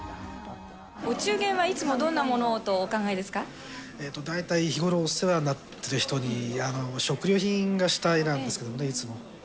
お中元はいつもどんなものを大体、日頃お世話になってる人に、食料品が主体なんですけれどもね、いつも。